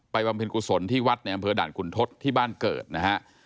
บำเพ็ญกุศลที่วัดในอำเภอด่านขุนทศที่บ้านเกิดนะฮะ